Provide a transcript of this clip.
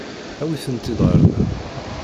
Awit-tent-id ɣer da.